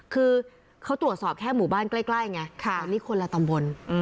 คือเขาตรวจสอบแค่หมู่บ้านใกล้ไงแต่นี่คนละตำบล